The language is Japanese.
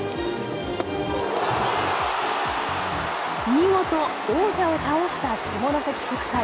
見事王者を倒した下関国際。